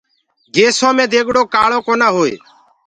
گيسو مي ديگڙو ڪآݪو ڪونآ هوئي۔